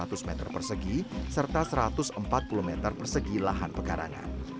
seratus meter persegi serta satu ratus empat puluh meter persegi lahan pekarangan